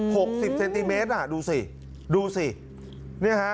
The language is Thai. สิบเซนติเมตรอ่ะดูสิดูสิเนี่ยฮะ